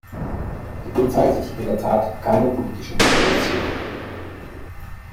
Die Polizei sieht hinter der Tat keine politische Motivation.